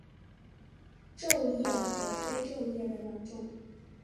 皱叶和非皱叶的两种。